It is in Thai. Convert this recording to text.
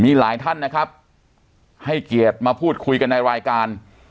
มีหลายท่านนะครับให้เกียรติมาพูดคุยกันในรายการ